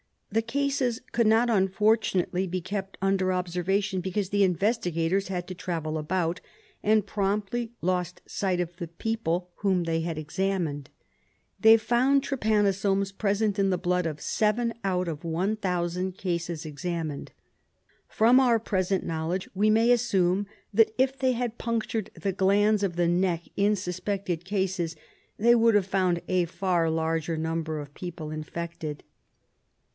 The cases could not, unfortunately, be kept under observation, because the investigators had to travel about, and promptly lost sight of the people whom they had examined. They found trypanosomes present in the blood of seven out of one thousand cases examined. From our present knowledge we may assume that if they had punctured the glands of the neck in suspected cases they would have found a far larger number o£ people infected.